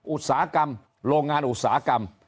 อุตสาหกรรมโรงงานอุตสาหกรรม